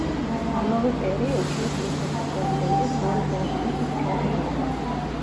ამავე პერიოდში ის რუსეთის პრეზიდენტის ბორის ელცინის მრჩეველი იყო.